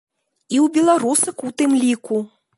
І ў беларусак ў тым ліку.